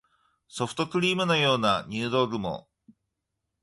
ソフトクリームのような入道雲